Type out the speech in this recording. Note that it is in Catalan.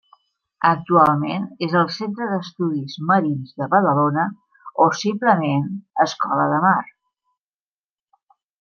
Actualment és el Centre d'Estudis Marins de Badalona, o simplement Escola del Mar.